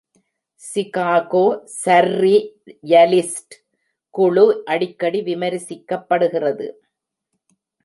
Chicago surrealist குழு அடிக்கடி விமர்சிக்கப்படுகிறது.